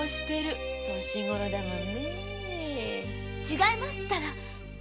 違いますったら。